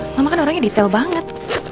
mama kan orangnya detail banget